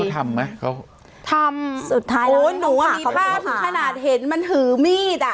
เขาทำไหมเขาทำสุดท้ายแล้วหนูว่ามีภาพถึงขนาดเห็นมันถือมีดอ่ะ